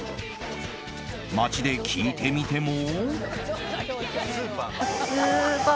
街で聞いてみても。